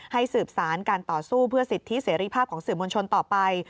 สืบสารการต่อสู้เพื่อสิทธิเสรีภาพของสื่อมวลชนต่อไป